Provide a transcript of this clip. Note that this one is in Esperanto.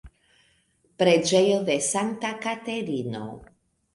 Preĝejo de Sankta Katerino.